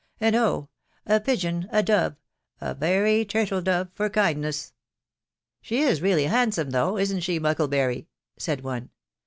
.... and, oh ! a pigeon, a dove, — a very turtle dove for kindness !"" She is really handsome, though isn't she, Muckle bury ?" said one.